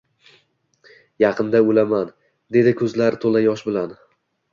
yaqinda o`laman, dedi ko`zlari to`la yosh bilan